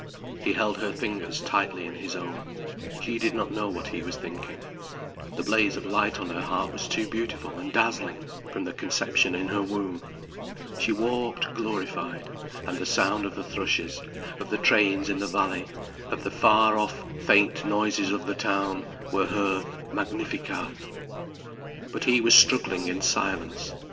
He held her fingers tightly in his own. She did not know what he was thinking. The blaze of light on her heart was too beautiful and dazzling, from the conception in her womb. She walked glorified, and the sound of the thrushes, of the trains in the valley, of the far off, faint noises of the town, were her "Magnificat". But he was struggling in silence.